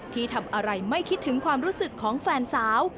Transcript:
ที่ทำอะไรไม่คิดถึงความรู้สึกของแฟนสาว